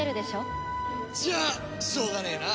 じゃあしょうがねえな。